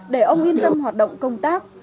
để ông yên tâm hoạt động công tác